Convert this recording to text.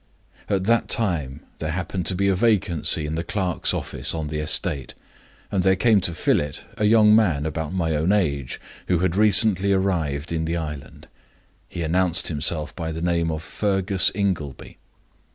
"At that time there happened to be a vacancy in the clerk's office on the estate, and there came to fill it a young man about my own age who had recently arrived in the island. He announced himself by the name of Fergus Ingleby.